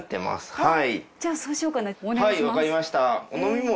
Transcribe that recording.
はい。